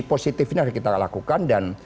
positif ini harus kita lakukan dan